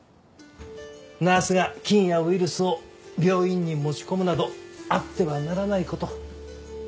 ナースが菌やウイルスを病院に持ち込むなどあってはならない事。